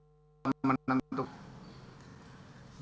dan juga untuk menentukan kemampuan penyelidikan